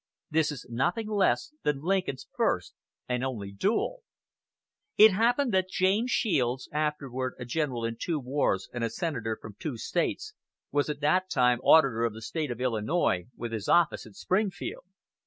This is nothing less than Lincoln's first and only duel. It happened that James Shields, afterward a general in two wars and a senator from two States, was at that time auditor of the State of Illinois, with his office at Springfield.